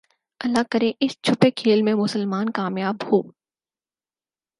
اللہ کرے اس چھپے کھیل میں مسلمان کامیاب ہو